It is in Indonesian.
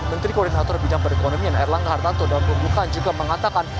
menteri koordinator bidang perekonomian erlangga hartanto dalam pembukaan juga mengatakan